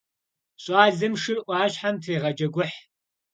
ЩӀалэм шыр Ӏуащхьэм трегъэджэгухь.